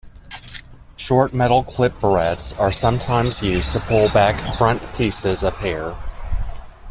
Short metal "clip" barrettes are sometimes used to pull back front pieces of hair.